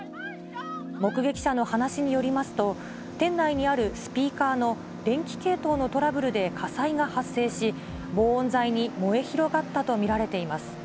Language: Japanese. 目撃者の話によりますと、店内にあるスピーカーの電気系統のトラブルで火災が発生し、防音材に燃え広がったと見られています。